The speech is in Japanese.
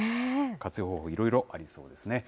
活用方法、いろいろありそうですね。